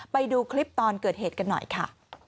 ไปดูคลิปตอนเกิดเหตุกันหน่อยค่ะ